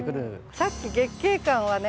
さっき月桂冠はね